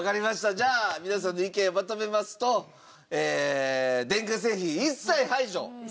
じゃあ皆さんの意見をまとめますと電化製品一切排除。